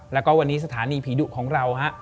แล้วก็วันนี้สถานีผีดุของเราฮะ